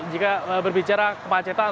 jika berbicara kemacetan